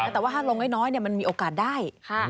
แต่ว่าถ้าลงน้อยมันมีโอกาสได้